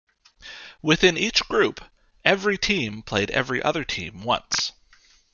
Within each group, every team played every other team once.